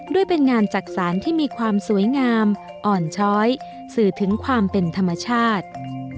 ด้วยเป็นงานจักษานที่มีความสวยงามอ่อนช้อยสื่อถึงความเป็นธรรมชาติ